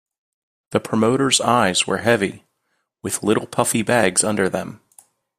The promoter's eyes were heavy, with little puffy bags under them.